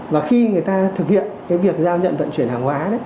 và khi người ta thực hiện việc giao nhận vận chuyển hàng hóa